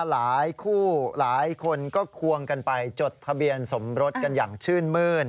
หลายคู่หลายคนก็ควงกันไปจดทะเบียนสมรสกันอย่างชื่นมื้น